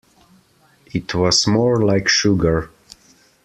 It was more like sugar.